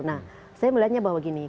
nah saya melihatnya bahwa gini